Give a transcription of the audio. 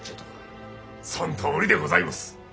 そんとおりでございもす。